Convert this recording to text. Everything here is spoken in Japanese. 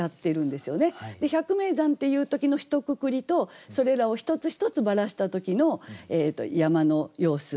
「百名山」っていう時のひとくくりとそれらを一つ一つばらした時の山の様子。